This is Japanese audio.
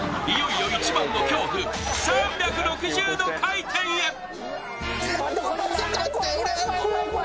いよいよ一番の恐怖３６０度回転へ！